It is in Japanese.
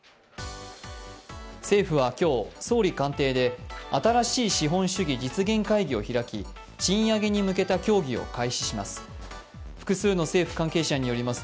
政府は今日、総理官邸で新しい資本主義実現会議を開き賃上げに向けた協議を開始します。